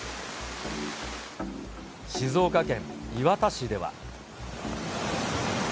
静岡県磐田市では。